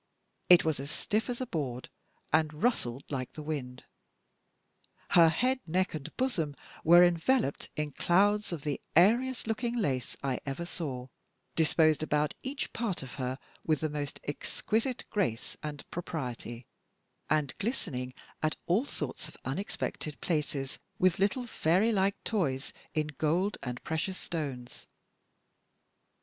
It was as stiff as a board, and rustled like the wind. Her head, neck, and bosom were enveloped in clouds of the airiest looking lace I ever saw, disposed about each part of her with the most exquisite grace and propriety, and glistening at all sorts of unexpected places with little fairy like toys in gold and precious stones.